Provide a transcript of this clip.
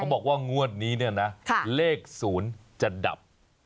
บอกว่างวดนี้เนี่ยนะเลข๐จะดับ